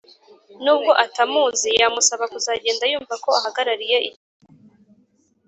nubwo atamuzi yamusaba kuzagenda yumva ko ahagarariye igihugu